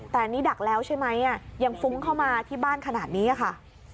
แต่อันนี้ดักแล้วใช่ไหมยังฟุ้งเข้ามาที่บ้านขนาดนี้ค่ะ